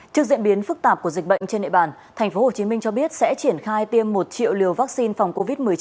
trước diễn biến phức tạp của dịch bệnh trên địa bàn tp hcm cho biết sẽ triển khai tiêm một triệu liều vaccine phòng covid một mươi chín